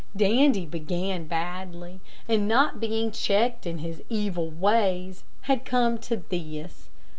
Dandy began badly, and not being checked in his evil ways, had come to this.